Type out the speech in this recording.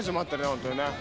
本当にね。